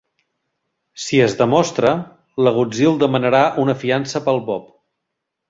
Si es demostra, l"agutzil demanarà una fiança pel Bob.